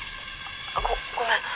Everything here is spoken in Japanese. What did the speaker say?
「ごごめん。